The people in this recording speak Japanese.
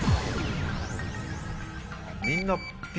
みんなＢ。